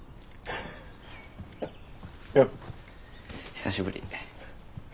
久しぶり。